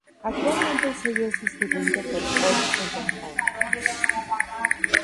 Actualmente el sello es distribuido por Koch Entertainment.